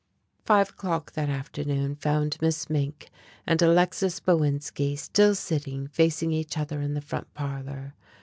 Five o'clock that afternoon found Miss Mink and Alexis Bowinski still sitting facing each other in the front parlor.